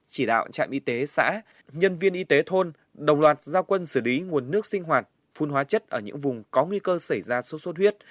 chỉ đạo trạm y tế xã nhân viên y tế thôn đồng loạt gia quân xử lý nguồn nước sinh hoạt phun hóa chất ở những vùng có nguy cơ xảy ra sốt xuất huyết